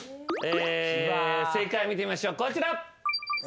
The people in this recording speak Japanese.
正解見てみましょうこちら。